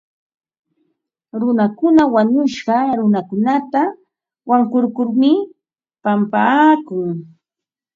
Runakuna wañushqa runakunata wankurkurmi pampapaakun.